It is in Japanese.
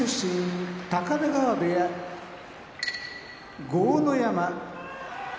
高田川部屋豪ノ山